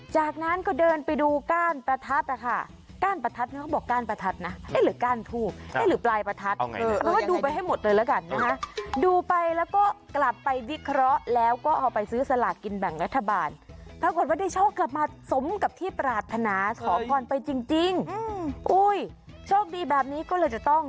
จากนั้นก็เดินไปดูก้านประทับแล้วก็เอาไปซื้อสลัดกินแบ่งรัฐบาล